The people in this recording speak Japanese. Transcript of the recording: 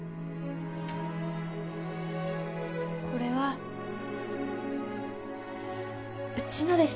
これはうちのです